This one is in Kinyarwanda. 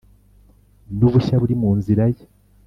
n’ubushya buri mu nzira ye